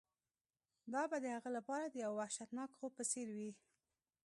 دا به د هغه لپاره د یو وحشتناک خوب په څیر وي